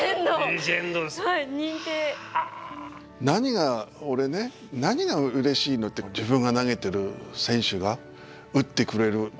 何が俺ね何がうれしいのって自分が投げてる選手が打ってくれる。